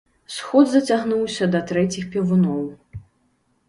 Сход зацягнуўся да трэціх певуноў.